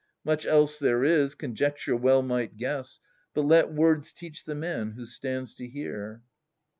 Much else there is, conjecture well might guess, But let words teach the man who stands to hear.